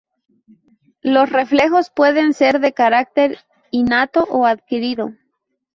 Los reflejos pueden ser de carácter innato o adquirido.